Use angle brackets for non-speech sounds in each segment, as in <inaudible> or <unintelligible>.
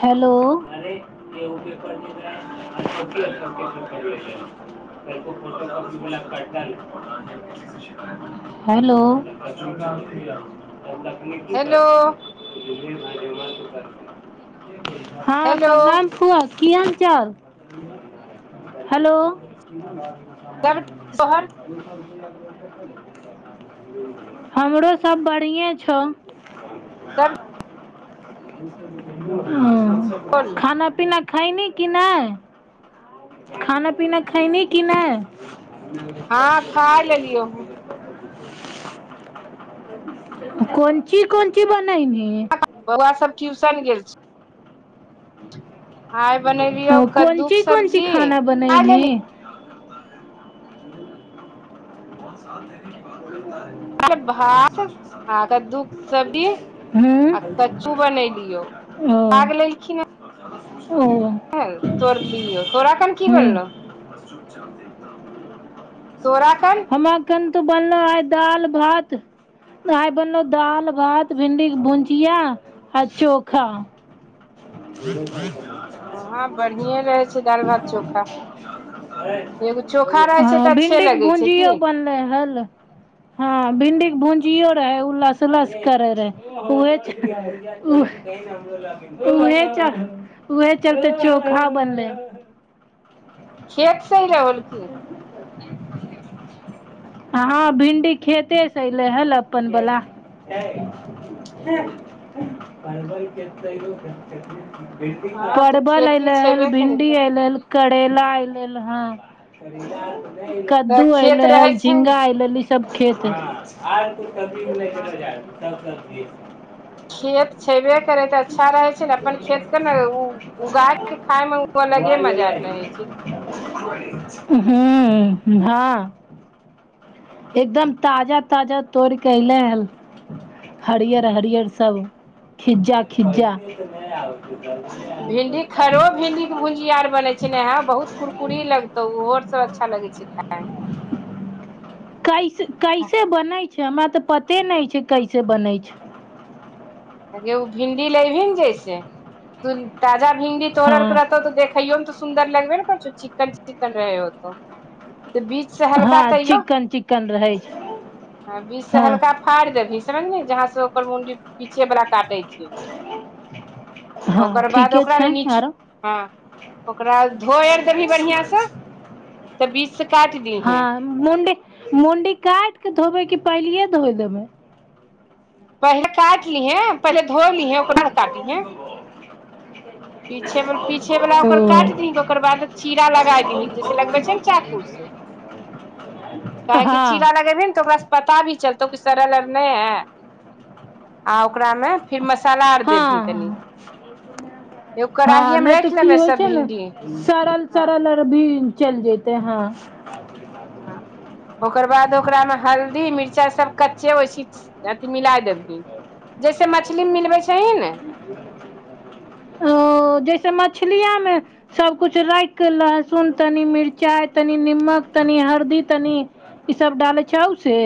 Hello <unintelligible> <unintelligible> hello hello <unintelligible> हँ hello प्रणाम फुआ। की हालचाल? हेलो सब तोहर हमरो सब बढ़िए छौव। सब ह बोल खाना पीना खैनी कि नहि खाना पीना खैनी कि नहि? हँ खाय लेलियौ <unintelligible> कोन ची कोन ची बनैनी? बौआ सब ट्यूशन गेल छैय। आइ बनेलियौ कोन कद्दूके ची कोन ची सब्जी खाना खाय लेलि। बनैनी <unintelligible> भात आ कद्दू सब्जी हूँ आ कच्चू बनेलियो। ओ साग लेलखिन हँ। ओ वल तोरलियौ तोरा खन की बनलौ? <unintelligible> तोरा कन? हमरा कन त बनलौ आइ दालि भात आय बनलौ दाल भात भिंडीक भुंजिया आ चोखा। <inaudible> हं बढ़िए रहै छैय दालि भात चोखा। एगो चोखा रहै छै हँ तऽ अच्छे भिंडी के लगै छै की भूंजियों बनलै हल हँ भिंडी के भूंजियो रहे उ लसलस करै रहै उहे उ उहे च उहे चलते चोखा बनलै। खेत सेही रहल कि? हँ भिंडी खेतेसँ अयलै हल अपन वला। <unintelligible> हँ तऽ परबल खेती अएलै हल छेबे करै भिंडी अएलै। करैला आइलैल हँ। तऽ दु खेत अएलै रहै हल छै ने झिंगा अएलै लिस सब खेतै हँ खेत छैबे करै तऽ अच्छा रहै छै नऽ अपन खेतके नऽ उ उगाय के खाय मे ओ अलगे मजा रहै छै कि ह्म हँ एकदम ताजा ताजा तोरिके अएले हल हरियर हरियर सभ खिज्जा खिज्जा भिंडी खरो भिंडी के भुंजिया आर बनै छै नेहा बहुत कुरकुरी लगतौ ऊहो आर सँ अच्छा लगै छै छै खायमे कैसे कैसे बनै छै हमरा तऽ पते नहि छै कैसे बनै छै अगे ओ भिन्डी लैभी नऽ जैसे तू ताजा भिंडी तोड़ल कऽ हँ रहतौ तऽ देखयो मे तऽ सु सुन्दर लगबे न करतौ चिकन चिकन रहै होतौ तऽ बीच से हल्का हँ तैयो चिकन चिकन रहै छै हं बीच से हल्का हँ फाड़ि देबही समझली जहां से ओकर मुंडी पीछे बला काटै छै हँ ओकर बाद ठीके ओकरा छै ने नीच आरो हँ ओकरा धोइ आर देबही बढ़ियाँसँ तऽ बीचसँ काटि दिहैं मुंडी मुंडी काटि के धोबै कि पहिलिये धोय देबै पहिले काटि लिहैं पहिले धोय लिहैं ओकरा बाद काटिहैं पीछे पीछे वला ओ ओकर काटि दिहीं ओकर बाद चीरा लगाय दिहीं जैसे लगबे छै ने चाकु सँ <inaudible> काहेकि हँ चीरा लगैबही ने तऽ ओकरा सँ पता भी चलतौ कि सड़ल आर नहि हय आ ओकरा मे फिर मसाला आर हँ देबही तनि एगो कढ़ाहीयेमे राखि लेबै सब भिन्डी सरल सरल आओर भी चल जेतेै हँ हँ <inaudible> <inaudible> ओकर बाद ओकरामे हल्दी मिरचाइ सब कच्चे ओइसी अथि मिलाय देबहींन जैसे मछली मे मिलबै छही ने ओ जैसे मछलियामे सबकुछ राखि कऽ लहसुन तनि मिरचाइ तनि निमक तनि हरदि तनि ई सब डालैत छै ओइसे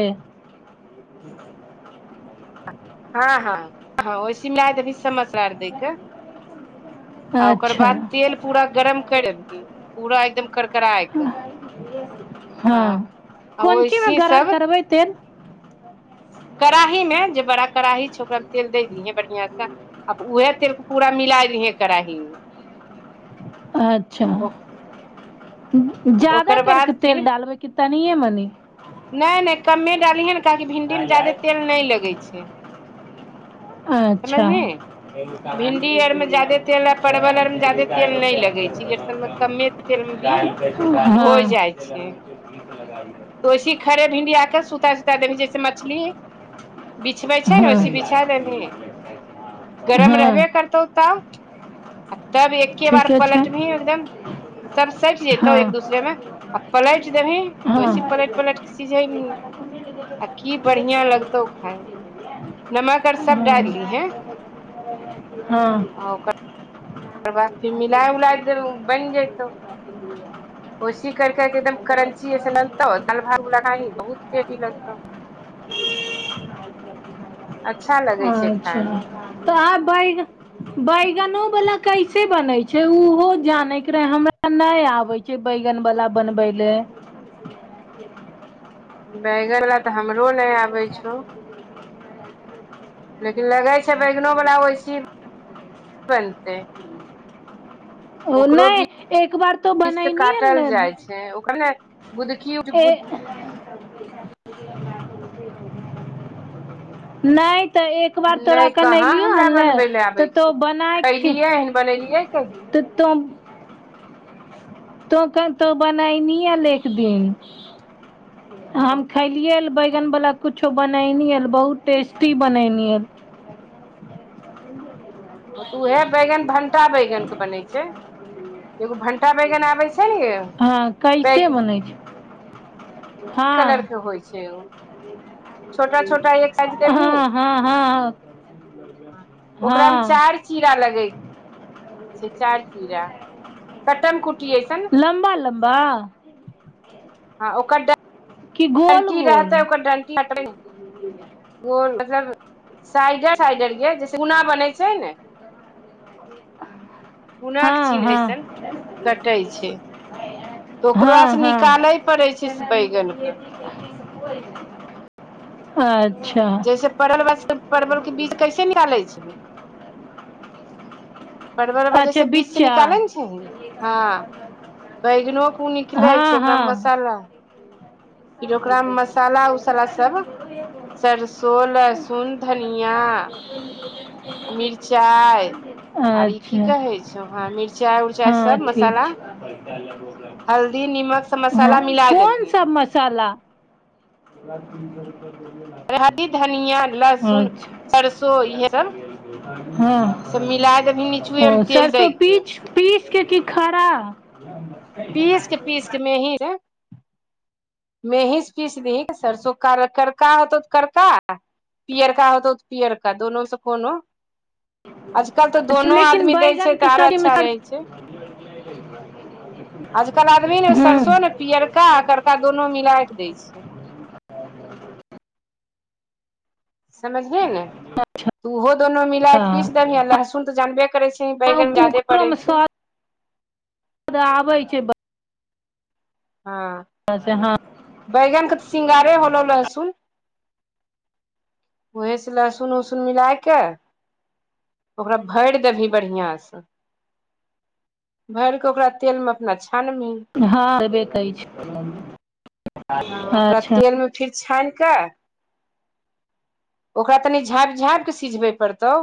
हँ हँ हँ ओहिसेही मिलाय देबहीं सब मशाला आर दै कऽ आ ओकर बाद अच्छा तेल पूरा गरम करि एबही पूरा एकदम करकायके आ ओहिसीहीं सब बै तेल <unintelligible> कड़ाही मे जे बड़ा कड़ाही छै ओकरा मे तेल दै दीहैं बढ़ियाँ सँ अब उएह तेल पूरा मिलाय लिहै कड़ाही मे <inaudible> अच्छा ज्यादा ओकर कर के बाद तेल डालबै कि तनिये मनि नैय नैय कमे डालियहे ने काहेकि भिंडीमे जायदे तेल नहि लगैत छै अच्छा समझही भिंडी आरमे ज्यादे तेल आ परवल आरमे ज्यादे तेल नहि लगै छै ई आर सभमे कमे तेल मे भी शिकार हो हाँ जाइ जे छै लगबै गीत लगाइ तऽ छै वैसही खड़े भिंडी आके सुताइ सुताइ देबही जैसे मछ मछली बिछबै छै नऽ हाँ वैसही तै लायक बिछाइ छै ई देबही लगै छै। हँ पैसा गरम रहबे हाँ करतौ ताव आ तब एके बार ठीके छै पलटबिही एकदम सब स‌टि जेतौ हँ एक दूसरेमे आ पलटि देबही वैसी पलटि पलटि कऽ सीझेबहीं <unintelligible> मे नमक आर सब डालि दिहें ह हँ आ ओकर बाद फेर मिलााय उलाय देब बनि जतौ। ओसी करिक एकदम करंचीस आनतो दालि भाती बहुत पेटी लगतौ। <unintelligible> अच्छा लगै छै अच्छा खाय मे तऽ आ बैगन बैगनो वला कै से बनै छैय ओहो जाने रहे हमरा नहि आबे छैयबैगन बला बनबै ले। बैगन वला तऽ हमरो नहि आबै छौ। लेकिन लगै छै बैगनोवला ओहिस बनतै। ओ ओकरो नहि बीज एक बार तो पीस बनैनी काटल जाइ छै ओकरा ने गुदकी ए नहि तऽ ए एकबार तोरा नहि कहाँ कनलियौ हमरा हन ने बनबै लए तऽ आबै तो छै बनाके खैलियै हन बनेलियै कहिया तऽ तुम तो कन तो बनायनीयल एक दिन। हम खेलियै बैगन बला कुछो बनेल बहुत टेस्टी बनैनी हन। <inaudible> तऽ उएह बैगन भंटा बैगन के बनै छैय एगो भंटा बैगन आबै छैय। हँ कैसे बनै छैय? कलर के होइ छैय ओ। छोटा छोटा एक साइज हँ हँ हँ <inaudible> ओकरा मे चार हँ चीरा लगै चारि चीरा कट्टन कुटिये सन। लम्बा लम्बा हँ ओकर कि गोल डण्टी गोल रहतै ओकर डणटी <inaudible> गो मतलब साइडे <inaudible> साइड जैसे उना बनै छैय नय। गुनाक हँ चिन्ह एसन हँ कटै छैय। हां हां पड़े छै बैगन के अच्छा जैसे परवल बात परबल के बीज कैसे खैलै छैय? परवला अच्छा जैसे बीज से बिच्चा निकालै ने छही हँ। बैगनोके ओ निकलै छैय हँ हँ ओकरामे मसाला फेर ओकरामे मसाला उसाला सभ सरसो लहसुन धनिया <inaudible> आओर ई की कहे छौव हां मिर चाइ उरचाइ हँ सब ठीक मसाला छै हल्दी नीमक सब मसाला मिला देबही। साला हल्दी धनिया लहसुन अच्छा। सरसो इहे सब हँ सब मिला देबही ओ निचुए मे तेल दै सरिसो के पीच पीसके की खरा पीसके पीसके मेही ह। मेहीस पीस दिहि सरसो क करका होतव त करड़का पियअरका होतौ तऽ पियअरका दोनोमेसँ कोनो आजकल तऽ अच्छा दोनो लेकिन आदमी दै बैगन छैय के तऽ आर सब्जी मे अच्छा रहै सरसो छैय। आजकल आदमी ने हूँ सरसो ने पियरका आ करका दुनू मिला के दै छैय। समझहे ने तऽ ओहो दुनू मिला क पीस हँ देबही आ लहसुन तऽ जानबे करै छिही बैगन जा्यादे ओकरो पड़े मे छैय। स्वाद आबै छैय ब हँ बढ़िया से हँ बैगनके तऽ स्रृंगारे होलौ लहसुन। ओहे से लहसुन उसुन मिलाइके ओकरा भरि देबी बढ़िआंसे भरि कऽ ओकरा तेल मे अपना छानबी। हँ हबेै हँ <unintelligible> ओकरा अच्छा। तेल मे फिर छान कऽ ओकरा तनि झाँपि झाँपि कऽ सिझबै पड़तौ।